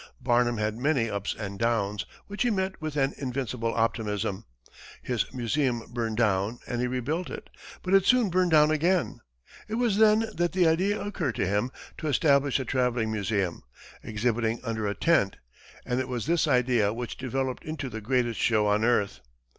Barnum had many ups and downs, which he met with an invincible optimism. His museum burned down and he rebuilt it, but it soon burned down again. It was then that the idea occurred to him to establish a travelling museum, exhibiting under a tent, and it was this idea which developed into "The Greatest Show on Earth."